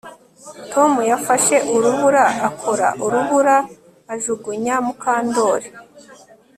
Tom yafashe urubura akora urubura ajugunya Mukandoli